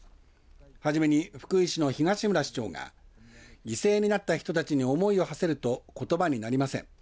初めに福井市の東村市長が犠牲になった人たちに思いをはせるとことばになりません